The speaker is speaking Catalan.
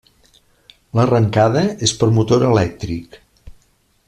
L'arrencada és per motor elèctric.